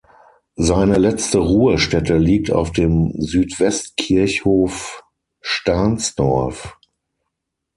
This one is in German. Seine letzte Ruhestätte liegt auf dem Südwestkirchhof Stahnsdorf.